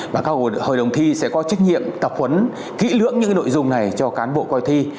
và các hội đồng thi sẽ có trách nhiệm tập huấn kỹ lưỡng những nội dung này cho cán bộ coi thi